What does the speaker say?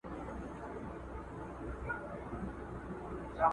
په ټولنه کي بايد د مطالعې کلتور په رښتينې مانا عام سي.